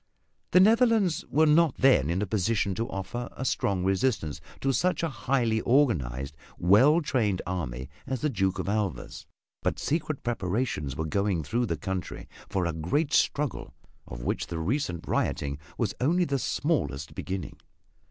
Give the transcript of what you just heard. The Netherlands were not then in a position to offer a strong resistance to such a highly organized, well trained army as the Duke of Alva's, but secret preparations were going through the country for a great struggle of which the recent rioting was only the smallest beginning.